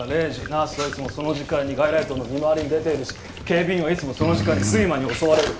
ナースはいつもその時間に外来棟の見回りに出ているし警備員はいつもその時間に睡魔に襲われる。